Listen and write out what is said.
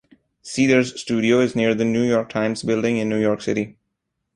Seder's studio is near the New York Times building in New York City.